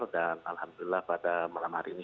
dan alhamdulillah pada malam hari ini